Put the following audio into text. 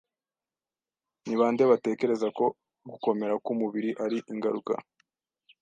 Ni bande batekereza ko ʻgukomera k'umubiriʼ ari ingaruka